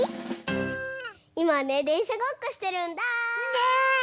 いまねでんしゃごっこしてるんだ。ね！